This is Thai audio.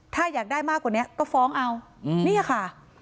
ถ้าอยากได้มากกว่านี้ก็ฟ้องเอาเนี่ยค่ะ